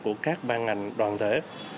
của các ban ngành đoàn thể